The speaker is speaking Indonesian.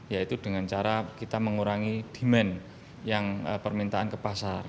yaitu dengan cara kita mengurangi demand yang permintaan ke pasar